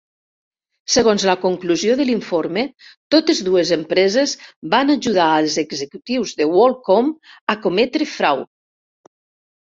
Segons la conclusió de l'informe, totes dues empreses van ajudar als executius de WorldCom a cometre frau.